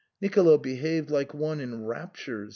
Nicolo behaved like one in raptures.